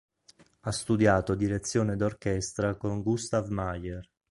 Ha studiato direzione d'orchestra con Gustav Meier.